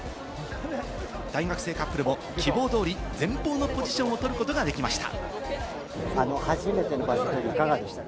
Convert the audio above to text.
大学生カップルも希望通り、前方のポジションを取ることができました。